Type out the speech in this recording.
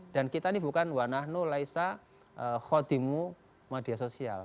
dan kita ini bukan wanahnu laisa khodimu media sosial